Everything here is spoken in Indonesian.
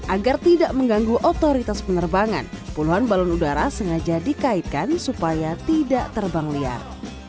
agar tidak mengganggu otoritas penerbangan puluhan balon udara sengaja dikaitkan supaya tidak terbang liar